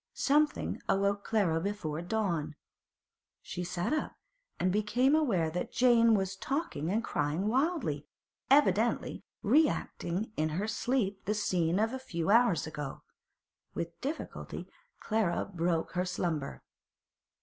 Something awoke Clara before dawn. She sat up, and became aware that Jane was talking and crying wildly, evidently re acting in her sleep the scene of a few hours ago. With difficulty Clara broke her slumber.